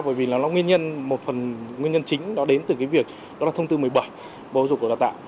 bởi vì nó nguyên nhân một phần nguyên nhân chính đó đến từ cái việc đó là thông tư một mươi bảy bộ giáo dục và đào tạo